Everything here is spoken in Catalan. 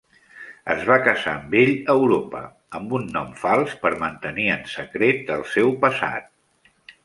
Es va casar amb ell a Europa amb un nom fals per mantenir en secret el seu passat.